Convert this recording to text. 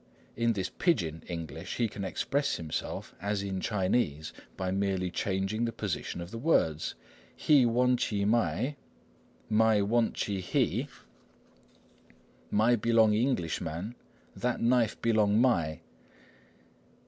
In this "pidgin" English he can express himself as in Chinese by merely changing the positions of the words:— "He wantchee my." "My wantchee he." "My belong Englishman." "That knife belong my."